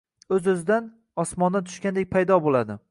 o‘z-o‘zidan – osmondan tushgandek paydo bo‘ladi.